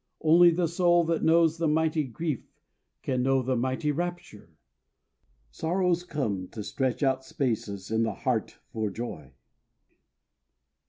Only the soul that knows the mighty grief Can know the mighty rapture. Sorrows come To stretch out spaces in the heart for joy.